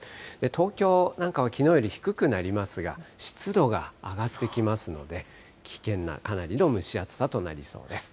東京なんかはきのうより低くなりますが、湿度が上がってきますので、危険な、かなりの蒸し暑さとなりそうです。